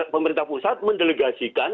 pemerintah pusat mendelegasikan